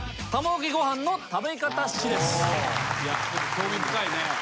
興味深いね。